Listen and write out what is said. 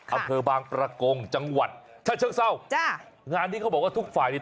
อำเภอบางประกงจังหวัดชาติเชิงเศร้าจ้ะงานนี้เขาบอกว่าทุกฝ่ายนี่